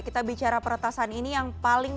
kita bicara peretasan ini yang paling